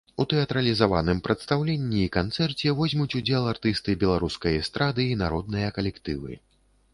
У тэатралізаваным прадстаўленні і канцэрце возьмуць удзел артысты беларускай эстрады і народныя калектывы.